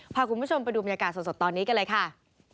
พาคุณผู้ชมไปดูบรรยากาศสดตอนนี้กันเลยค่ะ